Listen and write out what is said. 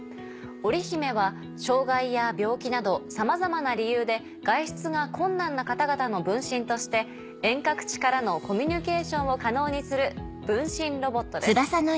ＯｒｉＨｉｍｅは障がいや病気などさまざまな理由で外出が困難な方々の分身として遠隔地からのコミュニケーションを可能にする分身ロボットです。